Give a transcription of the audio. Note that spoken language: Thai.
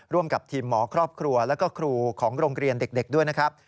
ร่วมกับทีมหมอครอบครัวแล้วก็ครูของโรงเรียนเด็กด้วยนะครับ